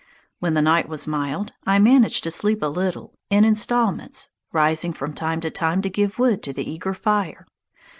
When the night was mild, I managed to sleep a little, in installments, rising from time to time to give wood to the eager fire.